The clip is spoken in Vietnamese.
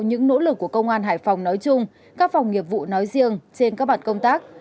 những nỗ lực của công an hải phòng nói chung các phòng nghiệp vụ nói riêng trên các mặt công tác